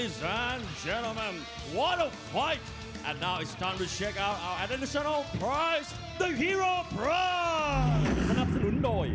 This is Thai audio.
สนับสนุนโดย